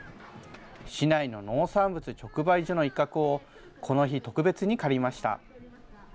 市内の農産物直売所の一角を、この日、特別に借りました。